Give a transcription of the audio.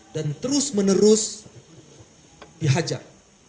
dan terus menerus dihajar